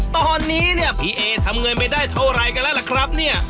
ตอนนี้เนี่ยพี่เอทำเงินไปได้เท่าไรกันแล้วล่ะครับเนี่ย